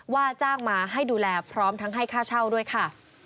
ว่าจ้างมาให้ดูแลพร้อมทั้งให้ค่าเช่าด้วยค่ะ